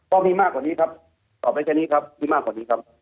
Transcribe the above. ก็มีมากกว่านี้ครับตอบได้แค่นี้ครับมีมากกว่านี้ครับ